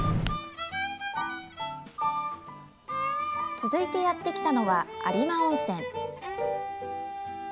続いてやって来たのは有馬温泉。